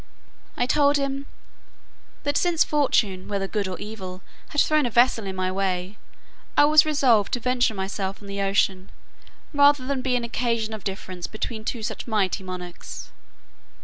I told him, "that since fortune, whether good or evil, had thrown a vessel in my way, I was resolved to venture myself on the ocean, rather than be an occasion of difference between two such mighty monarchs."